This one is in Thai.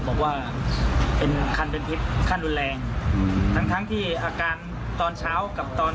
บอกว่าเป็นคันเป็นพิษขั้นรุนแรงอืมทั้งทั้งที่อาการตอนเช้ากับตอน